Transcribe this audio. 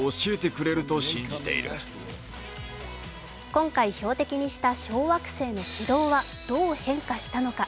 今回、標的にした小惑星の軌道はどう変化したのか。